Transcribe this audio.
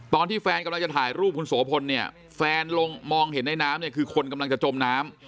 ตอนที่แฟนกำลังจะถ่ายรูปคุณโสพลเนี่ยแฟนลงมองเห็นในน้ำเนี่ยคือคนกำลังจะจมน้ำ